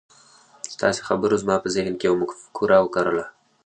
ستاسې خبرو زما په ذهن کې يوه مفکوره وکرله.